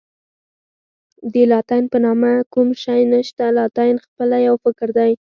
د لاتین په نامه کوم شی نشته، لاتین خپله یو فکر دی.